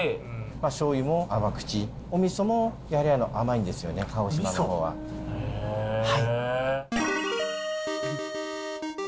しょうゆも甘口、おみそもやはり甘いんですよね、鹿児島のほうは。